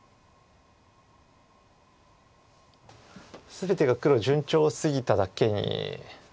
全てが黒順調すぎただけに。